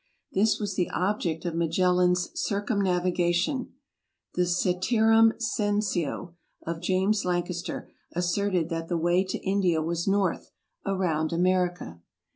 This was the ob ject of Magellan's circumnavigation. The Ceterum Censeo of James Lancaster asserted that the way to India was north, 90 AMERICA 91 around America.